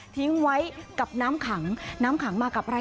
ทิ้งไว้กับน้ำขังน้ำขังมากับอะไร